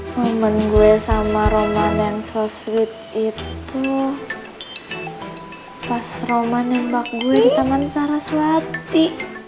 momen gue sama roman yang so sweet itu pas roman nembak gue di tangan sarah swati